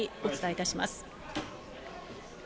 お伝えいたします。